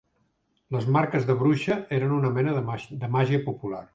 Les marques de bruixa eren una mena de màgia popular.